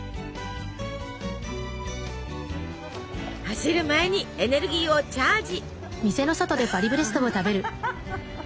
走る前にエネルギーをチャージ！